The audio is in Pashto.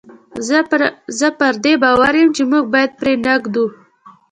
زه پر دې باور یم چې موږ باید پرې نه ږدو.